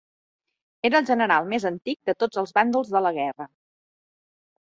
Era el general més antic de tots els bàndols de la guerra.